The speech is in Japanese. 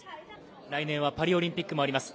来年はパリオリンピックもあります。